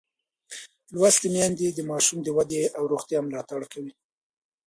لوستې میندې د ماشوم د ودې او روغتیا ملاتړ کوي.